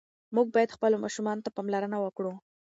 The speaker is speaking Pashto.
موږ باید خپلو ماشومانو ته پاملرنه وکړو.